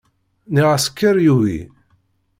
Nniɣ-as kker yugi.